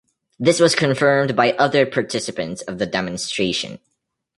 This was confirmed by other participants of the demonstration.